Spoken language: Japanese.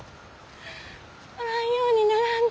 おらんようにならんと。